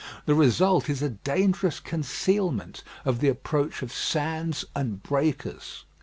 The result is a dangerous concealment of the approach of sands and breakers.